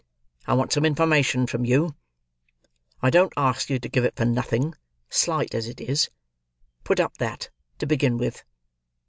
I want some information from you. I don't ask you to give it for nothing, slight as it is. Put up that, to begin with."